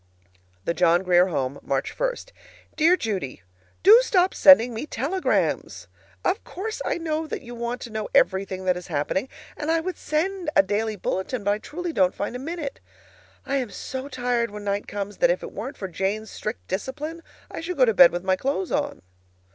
THE JOHN GRIER HOME, March 1. Dear Judy: Do stop sending me telegrams! Of course I know that you want to know everything that is happening, and I would send a daily bulletin, but I truly don't find a minute. I am so tired when night comes that if it weren't for Jane's strict discipline, I should go to bed with my clothes on.